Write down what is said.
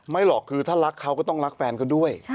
หรอกคือถ้ารักเขาก็ต้องรักแฟนเขาด้วย